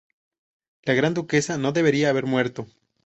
La gran duquesa no debería haber muerto.